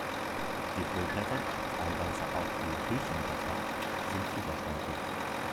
Die Hüllblätter, teilweise auch die Hüllchenblätter sind fiederspaltig.